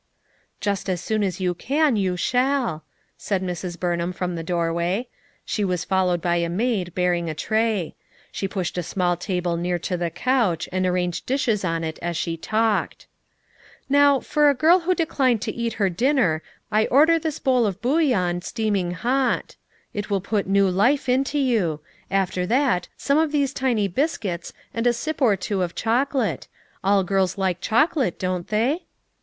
"Just as soon as you can, you shall," said Mrs. Burnham from the doorway ; she was fol lowed by a maid bearing a tray; she pushed a small table near to the couch and arranged dishes on it as she talked. FOUR MOTHERS AT CHAUTAUQUA 91 "Now, for a girl who declined to cat her din ner I order this bowl of bouillon, steaming hot it will put new life into you; after that, some of these tiny biscuits and a sip or two of chocolate; all girls like chocolate, don't they?"